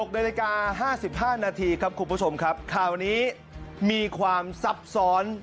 ๖นาฬิกา๕๕นาทีครับคุณผู้ชมครับข่าวนี้มีความซับซ้อน